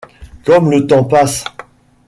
Comme le temps passe!